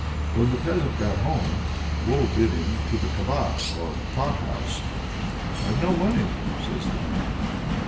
When the peasant got home, Woe bid him to the kabak or pot house. "I've no money," says the man.